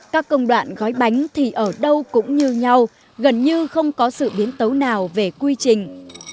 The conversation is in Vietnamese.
các công đoạn gói bánh thì ở đâu cũng như nhau gần như không có sự biến tấu nào về quy trình